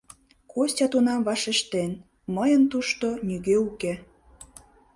Костя тунам вашештен: «Мыйын тушто нигӧ уке.